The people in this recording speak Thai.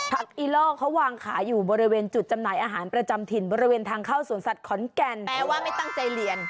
อีล่อเขาวางขายอยู่บริเวณจุดจำหน่ายอาหารประจำถิ่นบริเวณทางเข้าสวนสัตว์ขอนแก่นแปลว่าไม่ตั้งใจเรียน